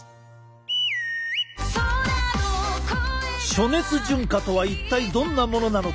暑熱順化とは一体どんなものなのか？